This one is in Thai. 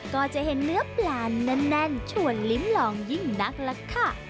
ก็จะเห็นเนื้อปลาแน่นชวนลิ้มลองยิ่งนักล่ะค่ะ